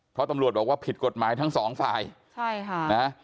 เพราะตำรวจบอกว่าผิดกฎหมายทั้งสองฝ่ายใช่ค่ะนะ